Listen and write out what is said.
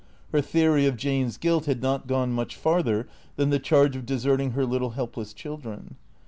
Her theory of Jane's guilt had not gone much farther than the charge of deserting her little helpless children.